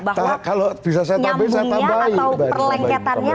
bahwa nyambungnya atau perlengketannya